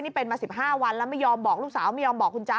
นี่เป็นมา๑๕วันแล้วไม่ยอมบอกลูกสาวไม่ยอมบอกคุณจ๊ะ